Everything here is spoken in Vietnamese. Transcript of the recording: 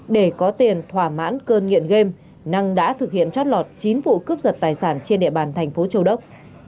để có tiền thỏa mãn cơn nghiện game năng đã thực hiện trót lọt chín vụ cướp giật tài sản trên địa bàn thành phố châu đốc